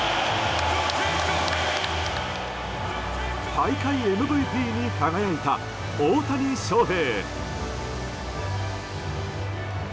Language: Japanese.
大会ＭＶＰに輝いた大谷翔平。